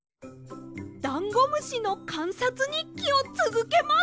だんごむしのかんさつにっきをつづけます！